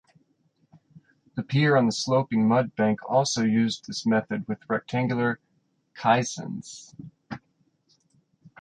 The pier on the sloping mud bank also used this method with rectangular caissons.